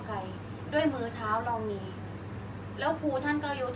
อันไหนที่มันไม่จริงแล้วอาจารย์อยากพูด